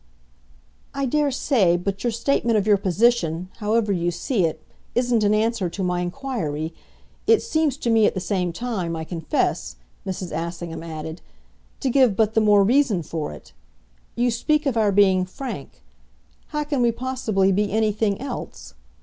"I dare say but your statement of your position, however you see it, isn't an answer to my inquiry. It seems to me, at the same time, I confess," Mrs. Assingham added, "to give but the more reason for it. You speak of our being 'frank.' How can we possibly be anything else?